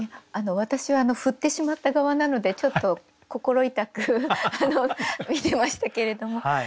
私は振ってしまった側なのでちょっと心痛く見てましたけれども。